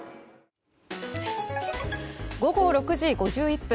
午後６時５１分。